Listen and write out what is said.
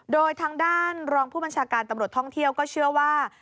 โดยทางด้านรองผู้บัญชาการตำรวจท่องเที่ยวก็เชื่อว่า